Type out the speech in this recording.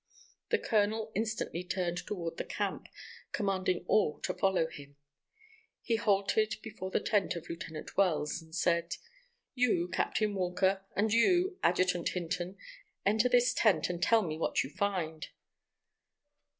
The colonel instantly turned toward the camp, commanding all to follow him. He halted before the tent of Lieutenant Wells, and said: "You, Captain Walker, and you, Adjutant Hinton, enter this tent, and tell me what you find."